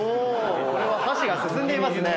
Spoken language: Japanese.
これは箸が進んでいますね。